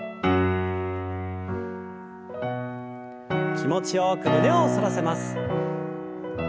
気持ちよく胸を反らせます。